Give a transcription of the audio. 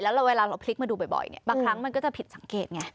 แล้วเวลาเราพลิกมาดูบ่อยเนี่ยบางครั้งมันก็จะผิดสังเกตไง